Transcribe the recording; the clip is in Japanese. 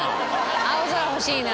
青空欲しいな。